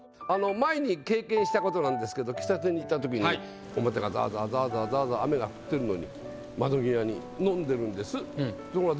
前に経験した事なんですけど喫茶店に行った時に表がザァザァザァザァザァザァ雨が降ってるのに窓際に飲んでるんです。